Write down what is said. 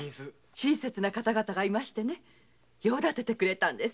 親切な方々がいましてね用立ててくれたんです。